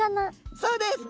そうです！